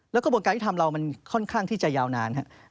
แล้วกระบวนการยุทธรรมเรามันค่อนข้างที่จะยาวนานครับ